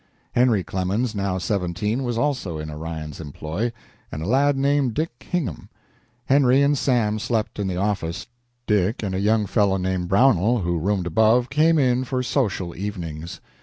Henry Clemens, now seventeen, was also in Orion's employ, and a lad named Dick Hingham. Henry and Sam slept in the office; Dick and a young fellow named Brownell, who roomed above, came in for social evenings.